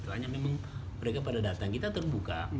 hanya memang mereka pada datang kita terbuka